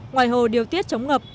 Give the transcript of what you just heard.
ngoài hồ điều tiết chống ngập